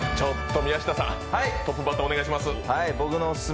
宮下さん、トップバッターお願いします。